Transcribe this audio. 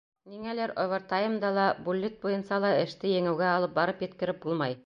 Ниңәлер овертаймда ла, буллит буйынса ла эште еңеүгә алып барып еткереп булмай...